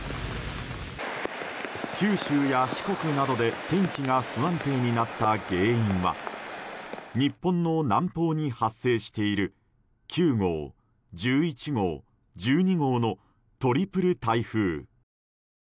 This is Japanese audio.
九州や四国などで天気が不安定になった原因は日本の南方に発生している９号、１１号、１２号のトリプル台風。